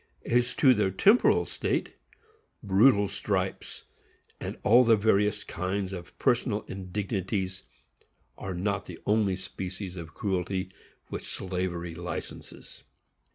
As to their temporal estate—Brutal stripes, and all the various kinds of personal indignities, are not the only species of cruelty which slavery licenses.